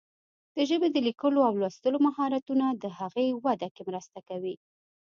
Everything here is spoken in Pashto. د ژبې د لیکلو او لوستلو مهارتونه د هغې وده کې مرسته کوي.